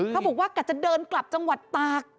เขาบอกว่ากัดจะเดินกลับจังหวัดตาก